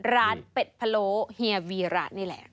เป็ดพะโล้เฮียวีระนี่แหละ